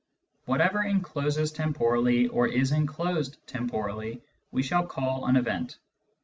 Whatever encloses temporally or is enclosed temporally we shall call an "event."